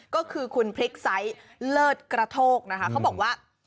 ก็คือคุณพริกไซส์เลิศกระโทกนะคะเขาบอกว่า